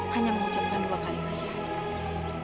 hanya mengucapkan dua kalimat syahadat